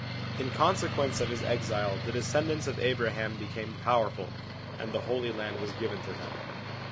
In consequence of his exile the descendants of Abraham became powerful, and the Holy Land was given to them.